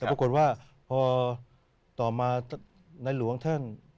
แต่ปรากฏว่าพอต่อมาในหลวงท่าน